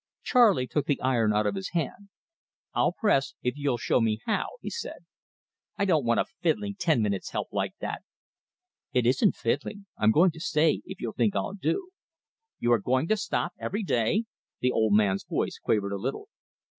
Charley took the iron out of his hand. "I'll press, if you'll show me how," he said. "I don't want a fiddling ten minutes' help like that." "It isn't fiddling. I'm going to stay, if you think I'll do." "You are going to stop every day?" The old man's voice quavered a little.